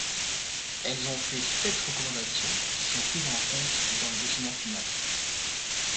Elles ont fait sept recommandations, qui sont prises en compte dans le document final.